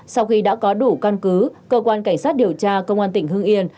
sau khi đã có đủ căn cứ cơ quan cảnh sát điều tra công an tỉnh hưng yên